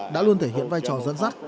đã luôn thể hiện vai trò dẫn dắt